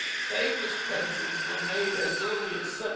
Faber's pencils were made as early as 1761.